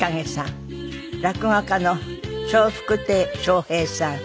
落語家の笑福亭笑瓶さん。